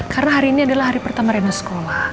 karena hari ini adalah hari pertama rena sekolah